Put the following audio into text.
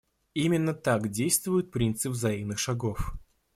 Именно так действует принцип «взаимных шагов».